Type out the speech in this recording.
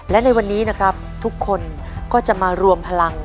และในวันนี้นะครับทุกคนก็จะมารวมพลัง